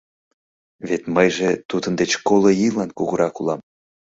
Вет мыйже тудын деч коло ийлан кугурак улам.